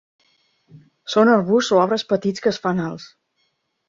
Són arbusts o arbres petits que es fan alts.